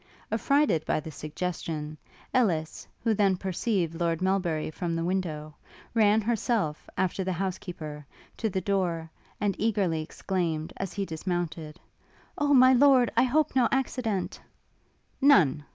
Affrighted by this suggestion, Ellis, who then perceived Lord Melbury from the window, ran herself, after the housekeeper, to the door, and eagerly exclaimed, as he dismounted, 'O, My Lord, I hope no accident ' 'None!'